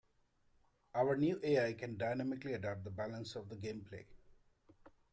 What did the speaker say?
Our new AI can dynamically adapt the balance of the gameplay.